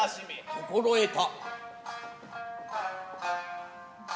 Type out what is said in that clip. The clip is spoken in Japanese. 心得た。